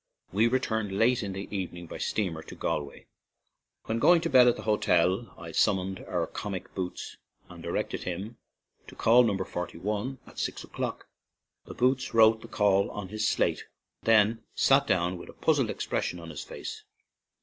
We returned late in the evening by steamer to Galway. When going to bed at the hotel, I sum moned our comic "boots/' and directed him to call No. 41 at six o'clock. The "boots" wrote the call on his slate, and then sat down with a puzzled expression on his face.